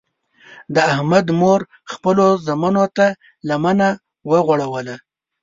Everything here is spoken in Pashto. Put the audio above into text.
د احمد مور خپلو زمنو ته لمنه وغوړوله.